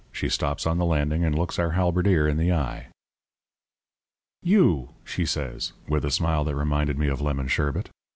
She stops on the landing and looks our halberdier in the eye. "'You!' she says, with a smile that reminded me of lemon sherbet.